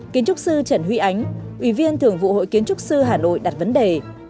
kiến trúc sư trần huy ánh viên thường vụ hội kiến trúc sư hà nội đặt vấn đề